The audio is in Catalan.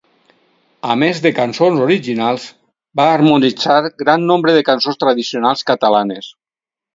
A més de cançons originals, va harmonitzar gran nombre de cançons tradicionals catalanes.